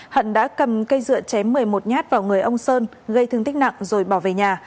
hận đã cầm cây dựa chém một mươi một nhát vào người ông sơn gây thương tích nặng rồi bỏ về nhà